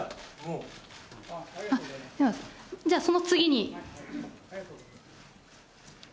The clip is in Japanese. じゃあ、その次に。